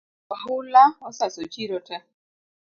Oula osaso chiro tee